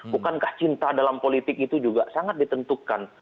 bukankah cinta dalam politik itu juga sangat ditentukan